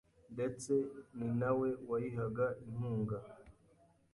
ndetse ni na we wayihaga inkunga.